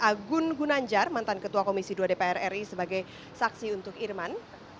agun gunanjar mantan ketua komisi dua dpr ri sebagai saksi untuk irman